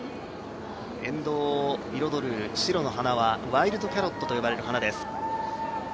沿道を彩る白の花はワイルドキャロットと呼ばれる花です。